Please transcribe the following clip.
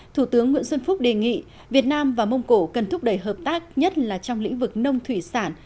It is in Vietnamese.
thủ tướng nguyễn xuân phúc đề nghị việt nam và mông cổ cần thúc đẩy hợp tác nhất là trong lĩnh vực nông thủy sản